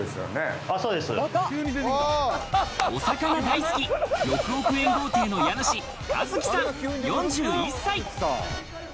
お魚大好き、６億円豪邸の家主・一騎さん、４１歳。